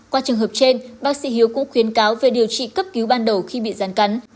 qua trường hợp trên bác sĩ hiếu cũng khuyến cáo về điều trị cấp cứu ban đầu khi bị rắn cắn